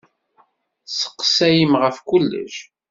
Tesseqsayem ɣef kullec.